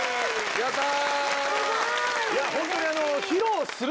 やったー！